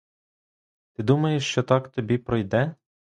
Ти думаєш, що так тобі пройде?